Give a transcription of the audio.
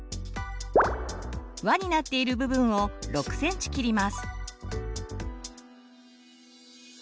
「わ」になっている部分を６ｃｍ切ります。